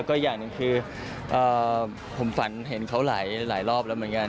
อีกอย่างหนึ่งผมฝันเห็นเอาเลยกับเขาหลายรอบแล้วค่ะ